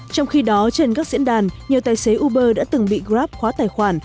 trong khi đó trên các diễn đàn nhiều tài xế uber đã từng bị grab khóa tài khoản